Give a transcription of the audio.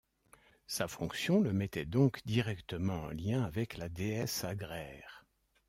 Sa fonction le mettait donc directement en lien avec la déesse agraire.